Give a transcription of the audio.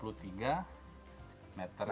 listriknya ya pak ya